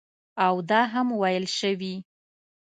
او دا هم ویل شوي